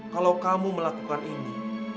kalau kamu melakukan ini